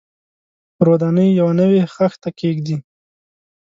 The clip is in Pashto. پر ودانۍ یوه نوې خښته کېږدي.